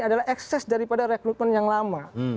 adalah ekses daripada rekrutmen yang lama